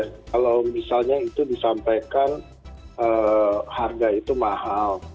kalau misalnya itu disampaikan harga itu mahal